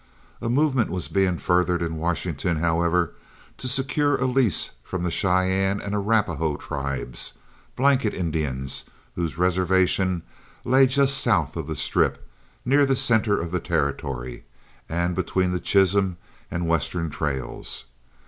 A movement was being furthered in Washington, however, to secure a lease from the Cheyenne and Arapahoe tribes, blanket Indians, whose reservation lay just south of the Strip, near the centre of the Territory and between the Chisholm and Western trails.